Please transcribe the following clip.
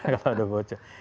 kalau ada bocor